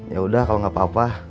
yaudah kalau gak apa apa